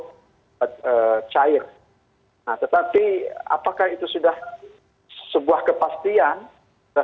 sejauh ini kan yang disampaikan oleh pihak otoritatif dalam hal ini bepom dan kementerian kesehatan adalah penggunaan ethylene glycol dan diethylene glycol itu dalam obat sirup